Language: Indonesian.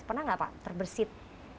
pernah nggak pak terbersih